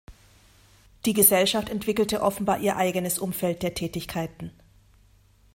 Die Gesellschaft entwickelte offenbar ihr eigenes Umfeld der Tätigkeiten.